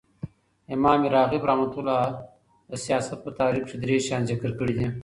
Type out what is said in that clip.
امام راغب رحمة الله د سیاست په تعریف کښي درې شیان ذکر کړي دي.